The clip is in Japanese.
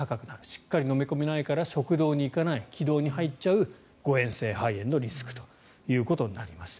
しっかり飲み込めないから食道にいかない気道に入っちゃう誤嚥性肺炎のリスクということになります。